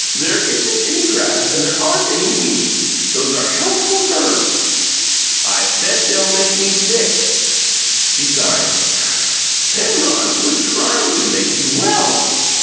"There isn't any grass and there aren't any weeds; those are healthful herbs." "I bet they'll make me sick." She sighed. "Penrod, we're trying to make you well."